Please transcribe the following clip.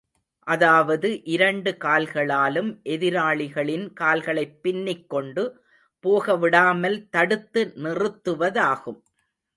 அதாவது இரண்டு கால்களாலும் எதிராளிகளின் கால்களைப் பின்னிக் கொண்டு, போகவிடாமல், தடுத்து நிறுத்துவதாகும்.